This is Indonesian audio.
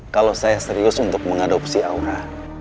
kalau saya serius untuk mengadopsi aura